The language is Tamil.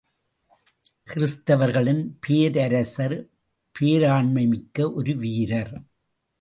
கிறிஸ்தவர்களின் பேரரசர் பேராண்மைமிக்க ஒரு வீரர்.